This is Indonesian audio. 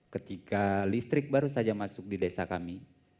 ketika listrik baru saja masuk di desa kami